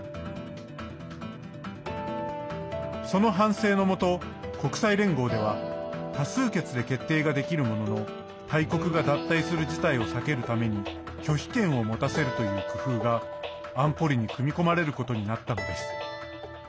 その反省のもと、国際連合では多数決で決定ができるものの大国が脱退する事態を避けるために拒否権を持たせるという工夫が安保理に組み込まれることになったのです。